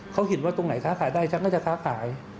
เขาเห็นว่าตรงไหนค้าขายได้ฉันน่าจะค้าขาย